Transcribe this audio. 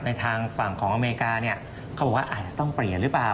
ทางฝั่งของอเมริกาเนี่ยเขาบอกว่าอาจจะต้องเปลี่ยนหรือเปล่า